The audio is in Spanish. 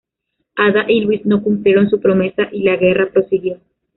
Ada y Luis no cumplieron su promesa y la guerra prosiguió.